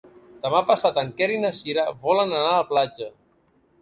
Demà passat en Quer i na Cira volen anar a la platja.